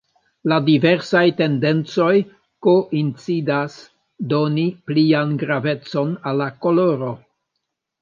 La diversaj tendencoj koincidas doni plian gravecon al la koloro.